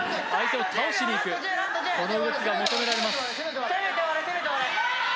その動きが求められます。